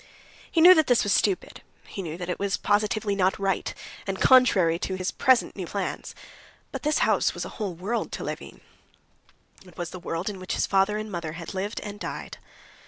He knew that this was stupid, he knew that it was positively not right, and contrary to his present new plans, but this house was a whole world to Levin. It was the world in which his father and mother had lived and died.